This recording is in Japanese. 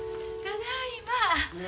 ただいま。